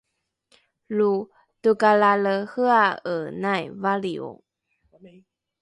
lo tokalalehea’enai valrio